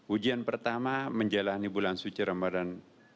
ujian pertama menjalani bulan suci ramadan